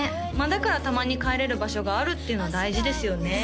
だからたまに帰れる場所があるっていうのは大事ですよね